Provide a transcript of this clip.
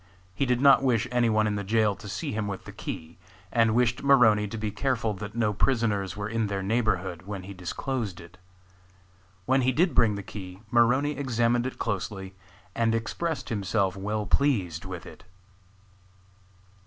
He did not wish any one in the jail to see him with the key, and wished Maroney to be careful that no prisoners were in their neighborhood when he disclosed it. When he did bring the key Maroney examined it closely and expressed himself well pleased with it.